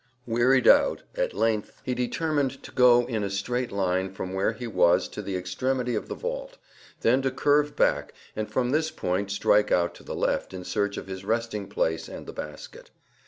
Wearied out at length, he determined to go in a straight line from where he was to the extremity of the vault; then to curve back, and from this point strike out to the left in search of his resting place and the basket.